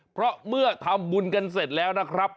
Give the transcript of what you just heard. เพราะเมื่อทำบุญกันเสร็จแล้วนะครับ